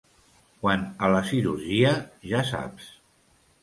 Quant a la cirurgia, ja saps.